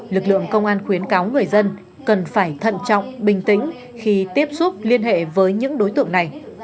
lực lượng công an khuyến cáo người dân cần phải thận trọng bình tĩnh khi tiếp xúc liên hệ với những đối tượng này